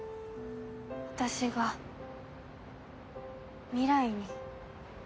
私が未来に。